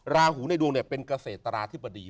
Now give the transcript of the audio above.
ราหูในดวงเป็นเกษตราธิบดี